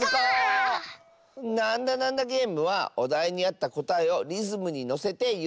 「なんだなんだゲーム」はおだいにあったこたえをリズムにのせていっていくゲームだよ。